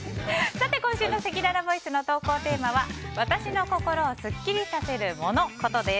さて、今週のせきららボイスの投稿テーマは私の心をスッキリさせるモノ・コトです。